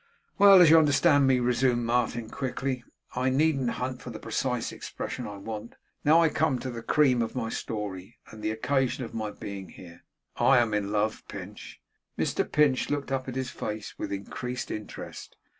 'Well! as you understand me,' resumed Martin, quickly, 'I needn't hunt for the precise expression I want. Now I come to the cream of my story, and the occasion of my being here. I am in love, Pinch.' Mr Pinch looked up into his face with increased interest.